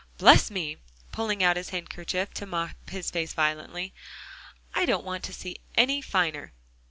Bless me!" pulling out his handkerchief to mop his face violently, "I don't want to see any finer."